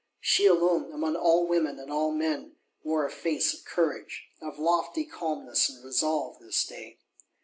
She alone, among all women and all men, wore a face of courage, of lofty calmness and resolve, this day.